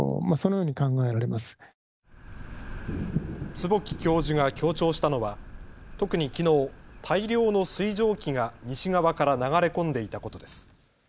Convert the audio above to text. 坪木教授が強調したのは特にきのう、大量の水蒸気が西側から流れ込んでいたことです。